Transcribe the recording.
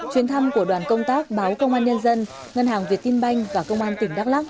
chuyến thăm của đoàn công tác báo công an nhân dân ngân hàng việt tin banh và công an tỉnh đắk lắc